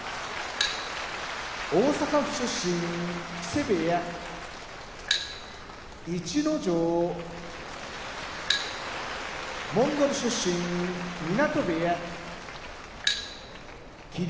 大阪府出身木瀬部屋逸ノ城モンゴル出身湊部屋霧